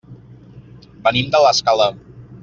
Venim de l'Escala.